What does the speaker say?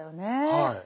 はい。